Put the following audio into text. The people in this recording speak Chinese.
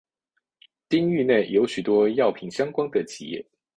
町域内有许多药品相关的企业。